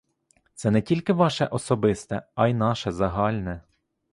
Це не тільки ваше особисте, а й наше загальне.